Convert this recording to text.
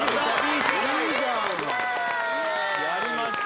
やりました！